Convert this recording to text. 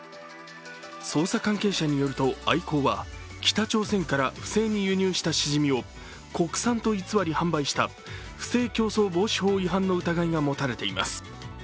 捜査関係者によるとアイコーは北朝鮮から不正に輸入したしじみを国産と偽り販売した不正競争防止法違反の疑いが持たれています。